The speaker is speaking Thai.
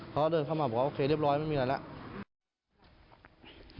เขาก็เดินเข้ามาบอกว่าโอเคเรียบร้อยไม่มีอะไรแล้ว